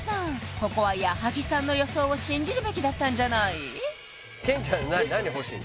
ここは矢作さんの予想を信じるべきだったんじゃない？